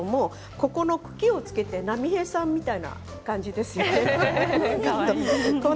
茎をつけて波平さんみたいな感じですね。